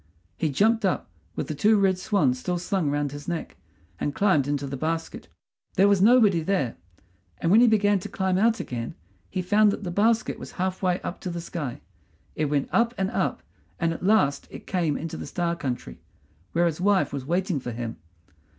He jumped up, with the two red swans still slung round his neck, and climbed into the basket. There was nobody there; and when he began to climb out again he found that the basket was half way up to the sky. It went up and up, and at last it came into the Star country, where his wife was waiting for him.